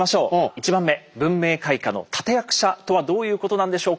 １番目「文明開化の立て役者」とはどういうことなんでしょうか。